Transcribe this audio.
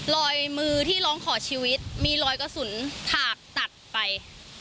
รอยมือที่ร้องขอชีวิตมีรอยกระสุนถากตัดไป